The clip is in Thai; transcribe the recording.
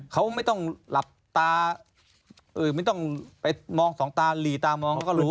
เขาไม่ต้องหลับตาไม่ต้องไปมองสองตาหลีตามองเขาก็รู้